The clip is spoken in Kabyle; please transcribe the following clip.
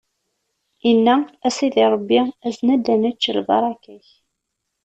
Inna: A Sidi Ṛebbi, azen-d ad nečč lbaṛaka-k!